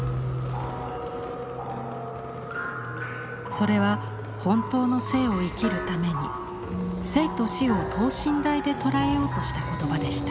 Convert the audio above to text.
それは本当の生を生きるために生と死を等身大で捉えようとした言葉でした。